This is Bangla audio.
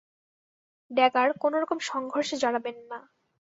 ড্যাগার, কোনোরকম সংঘর্ষে জড়াবেন না।